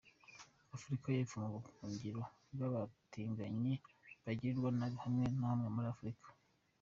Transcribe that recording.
Afurika y’Epfo, buhungiro bw’abatinganyi bagirirwa nabi hamwe na hamwe muri Afurika.